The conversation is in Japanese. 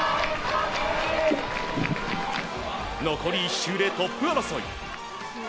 残り１周でトップ争い。